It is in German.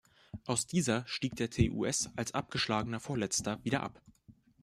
Aus dieser stieg der TuS als abgeschlagener Vorletzter wieder ab.